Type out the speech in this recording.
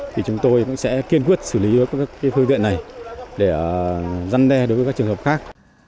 thì chúng tôi cũng sẽ kiên quyết xử lý các phương tiện này để răn đe đối với các trường hợp khác